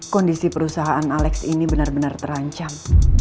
kondisi perusahaan alex ini bener bener terancam